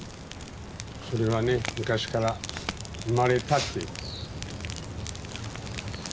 それはね昔から生まれたっていう。